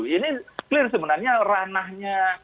ini clear sebenarnya ranahnya